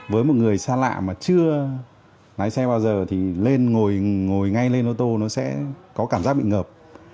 với một người xa lạ mà chưa lái xe bao giờ thì lên ngồi ngay lên ô tô nó sẽ có cảm giác bị ngập